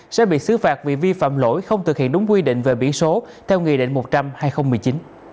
sẽ bị xứ phạt vì vi phạm lỗi không thực hiện đúng quy định về biển số theo nghị định một trăm linh hai nghìn một mươi chín